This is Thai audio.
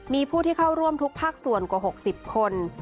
มีผู้ที่เข้าร่วมทุกภาคส่วนกว่า๖๐คน